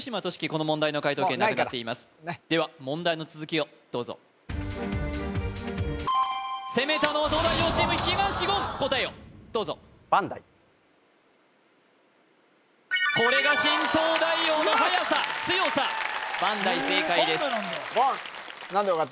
この問題の解答権なくなっていますでは問題の続きをどうぞ攻めたのは東大王チーム東言答えをどうぞこれが新東大王のはやさ強さバンダイ正解です言